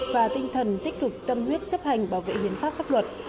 và tinh thần tích cực tâm huyết chấp hành bảo vệ hiến pháp pháp luật